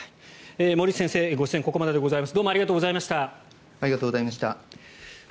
森内先生ご出演ここまでです。